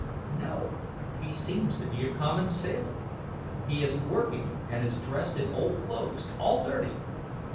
"No, he seems to be a common sailor; he is working, and is dressed in old clothes all dirty.